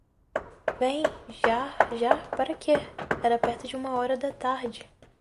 Vem, já, já, para quê? Era perto de uma hora da tarde.